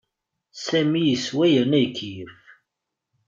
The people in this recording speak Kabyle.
Sami yeswa yerna ikeyyef.